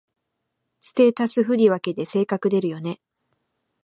ステータス振り分けで性格出るよね